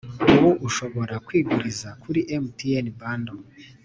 Ubu ushobora kwiguriza kuri mtn bando